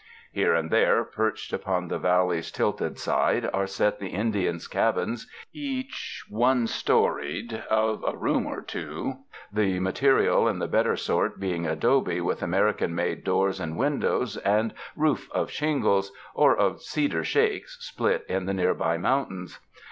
Here and there perched upon the valley's tilted side are set the Indians' cabins, each one storied of a room or two, the material in the better sort being adobe with American made doors and windows, and roof of shingles, or of cedar shakes split in the near by mountains.